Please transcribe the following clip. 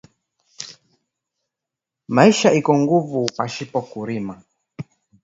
Maisha iko nguvu pashipo ku rima